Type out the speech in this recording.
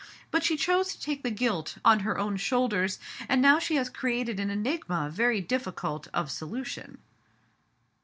But she chose to take the guilt on her own shoulders, and now she has created an enigma very difficult of solution."